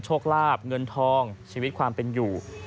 โชคลาบเงินทองชีวิตความเป็นอยู่